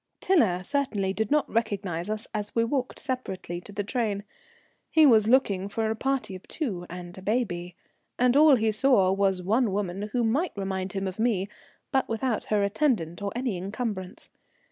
Tiler certainly did not recognize us as we walked separately to the train. He was looking for a party of two and a baby, and all he saw was one woman who might remind him of me, but without her attendant or any encumbrance.